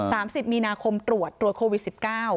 สามสิบมีนาคมตรวจตรวจโควิดสิบเก้า